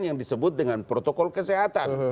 yang disebut dengan protokol kesehatan